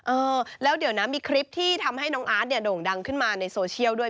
เออแล้วเดี๋ยวนะมีคลิปที่ทำให้น้องอาร์ตเนี่ยโด่งดังขึ้นมาในโซเชียลด้วย